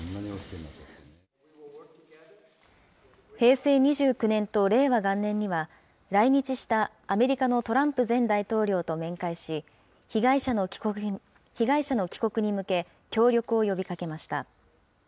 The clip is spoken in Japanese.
平成２９年と令和元年には、来日したアメリカのトランプ前大統領と面会し、被害者の帰国に向け、協力を呼びかけました。